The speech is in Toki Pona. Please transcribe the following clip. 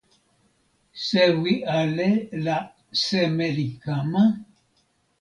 sewi ale la seme li kama?